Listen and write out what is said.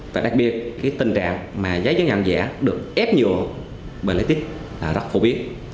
và đặc biệt cái tình trạng mà giấy nhận giả được ép nhựa bởi lý tích là rất phổ biến